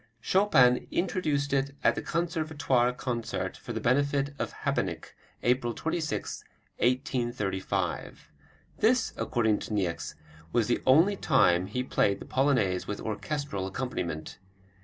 Chopin introduced it at a Conservatoire concert for the benefit of Habeneck, April 26, 1835. This, according to Niecks, was the only time he played the Polonaise with orchestral accompaniment.